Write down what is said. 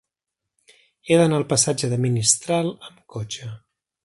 He d'anar al passatge de Ministral amb cotxe.